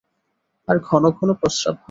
আর ঘন ঘন প্রস্রাব হয়।